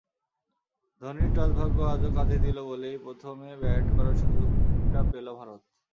ধোনির টস-ভাগ্য আজও কাজে দিল বলেই প্রথমে ব্যাট করার সুযোগটা পেল ভারত।